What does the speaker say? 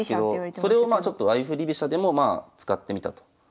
それをまあ相振り飛車でも使ってみたと。